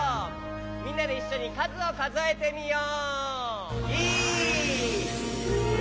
みんなでいっしょにかずをかぞえてみよう！